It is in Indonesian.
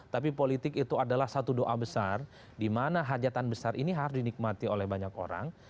tapi politik itu adalah satu doa besar di mana hajatan besar ini harus dinikmati oleh banyak orang